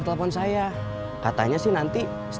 tali dengan hati hati dan danreuu